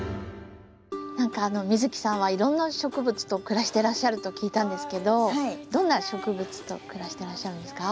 何か美月さんはいろんな植物と暮らしてらっしゃると聞いたんですけどどんな植物と暮らしてらっしゃるんですか？